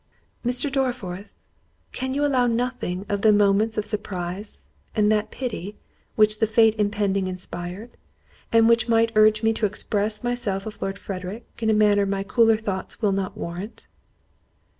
"Mr. Dorriforth, can you allow nothing to the moments of surprise, and that pity, which the fate impending inspired? and which might urge me to express myself of Lord Frederick, in a manner my cooler thoughts will not warrant?"